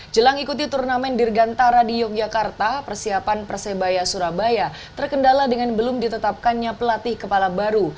jelang ikuti turnamen dirgantara di yogyakarta persiapan persebaya surabaya terkendala dengan belum ditetapkannya pelatih kepala baru